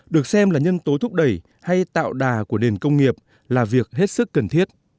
được xem là nhân tố thúc đẩy hay tạo đà của nền công nghiệp là việc hết sức cần thiết